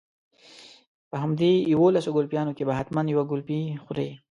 په همدې يوولسو ګلپيانو کې به حتما يوه ګلپۍ خورې.